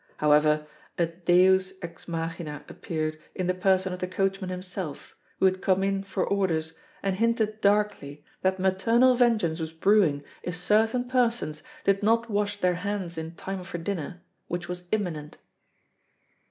However, a deus ex machina appeared in the person of the coachman himself, who had come in for orders, and hinted darkly that maternal vengeance was brewing if certain persons did not wash their hands in time for dinner, which was imminent.